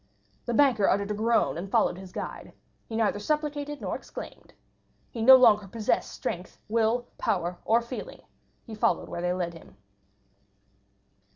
The banker uttered a groan and followed his guide; he neither supplicated nor exclaimed. He no longer possessed strength, will, power, or feeling; he followed where they led him.